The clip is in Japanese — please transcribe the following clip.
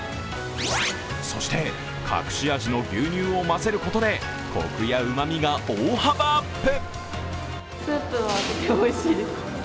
そして隠し味の牛乳を混ぜることでこくやうまみが大幅アップ。